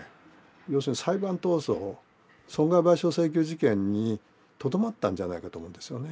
要するに裁判闘争損害賠償請求事件にとどまったんじゃないかと思うんですよね。